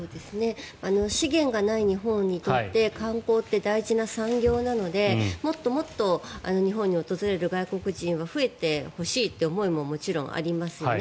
資源がない日本にとって観光って大事な産業なのでもっともっと日本に訪れる外国人は増えてほしいという思いももちろんありますよね。